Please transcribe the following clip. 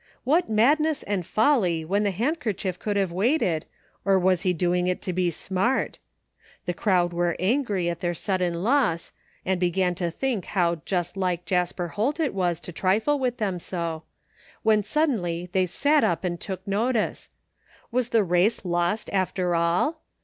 What madness and folly when the handkerchief could have waited, or was he doing it to be smart ? The crowd were angry at their sudden loss, and began to think how just like Jasper Holt it was to trifle with them so, when sud 15 225 THE FINDmG OF JASPER HOLT dcnly they sat up and took notice. Was the race lost after all?